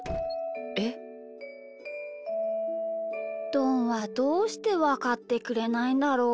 どんはどうしてわかってくれないんだろう？